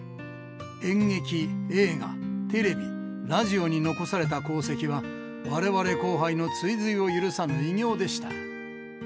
演劇、映画、テレビ、ラジオに残された功績は、われわれ後輩の追随を許さぬ偉業でした。